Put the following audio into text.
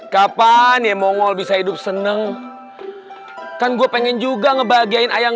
kapan ya monggol bisa hidup seneng kan gue pengen juga ngebahagiain ayam